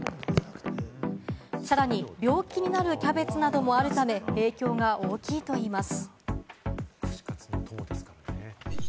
さらに病気になるキャベツなどもあるため、影響が大きいといいます。